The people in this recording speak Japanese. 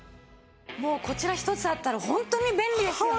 もうこちら一つあったらホントに便利ですよね。